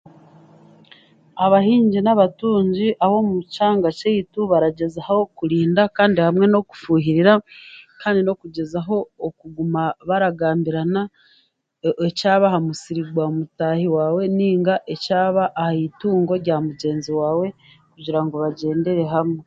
Abahingi n'abatungi ab'omu kyanga kyaitu baragyezaho kurinda kandi hamwe n'okufuuhirira kandi n'okugyezaho okuguma baragambirana ekyaba aha musiri gwa mutaahi waawe nainga ekyaba aha eitungo rya mugyenzi waawe kugira ngu bagyendere hamwe.